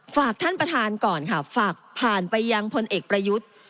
ฝากท่านประธานก่อนค่ะฝากผ่านไปยังพลเอกประยุทธ์